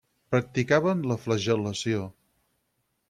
Practicaven la flagel·lació.